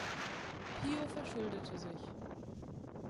Pio verschuldete sich.